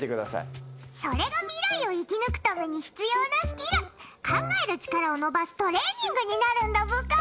それが未来を生き抜くために必要なスキル考える力を伸ばすトレーニングになるんだブカ。